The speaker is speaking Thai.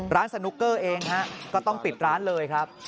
ร้านสนุกเกอร์เองฮะก็ต้องปิดร้านเลยครับ